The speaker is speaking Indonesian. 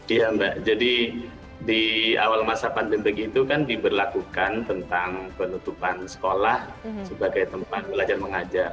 iya mbak jadi di awal masa pandemi itu kan diberlakukan tentang penutupan sekolah sebagai tempat belajar mengajar